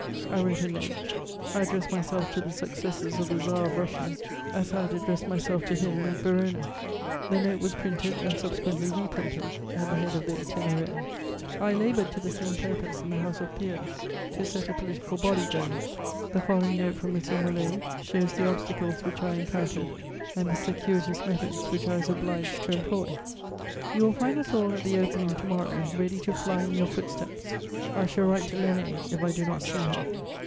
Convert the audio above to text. I wrote a Note; I addressed myself to the successors of the Tsar of Russia, as I had addressed myself to him at Verona. The Note was printed and subsequently reprinted at the head of the Itinéraire. I laboured to the same purpose in the House of Peers, to set a political body going. The following note from M. Molé shows the obstacles which I encountered and the circuitous methods which I was obliged to employ: "You will find us all at the opening to morrow, ready to fly in your footsteps: I shall write to Lainé if I do not see him.